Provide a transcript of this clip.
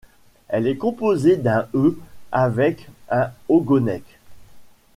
Elle est composée d’un Е avec un ogonek.